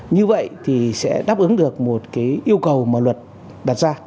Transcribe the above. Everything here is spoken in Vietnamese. như vậy thì sẽ đáp ứng được một cái yêu cầu mà luật đặt ra